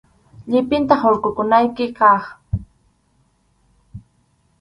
Llipinta hurqukunayki kaq.